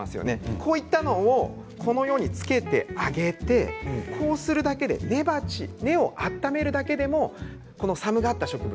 こういったものを鉢につけてこうするだけで根鉢、根を温めるだけでも寒かった植物